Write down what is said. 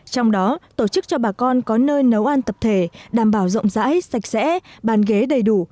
trong đó tổ chức cho bà con có nơi nấu ăn tập thể đảm bảo rộng rãi sạch sẽ bàn ghế đầy đủ